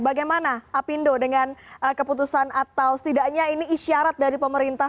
bagaimana apindo dengan keputusan atau setidaknya ini isyarat dari pemerintah